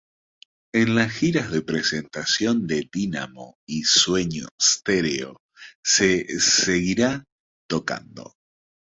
En las giras de presentación de Dynamo y Sueño Stereo se seguiría tocando.